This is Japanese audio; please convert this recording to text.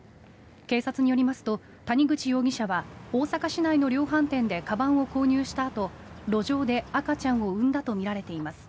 警察によりますと谷口容疑者は大阪市内の量販店でかばんを購入したあと路上で赤ちゃんを産んだとみられています。